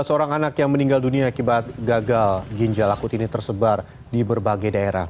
tiga belas orang anak yang meninggal dunia akibat gagal ginjal akut ini tersebar di berbagai daerah